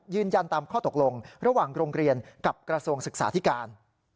ยืนยันตามข้อตกลงระหว่างโรงเรียนกับกระทรวงศึกษาธิการ